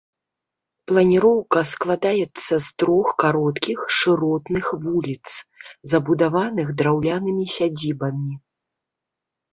Планіроўка складаецца з трох кароткіх, шыротных вуліц, забудаваных драўлянымі сядзібамі.